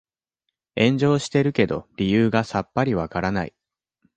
炎上してるけど理由がさっぱりわからない